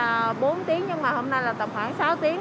tầm khoảng là bốn tiếng nhưng mà hôm nay là tầm khoảng sáu tiếng